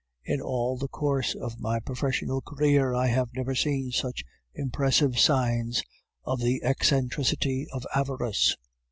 In all the course of my professional career I have never seen such impressive signs of the eccentricity of avarice.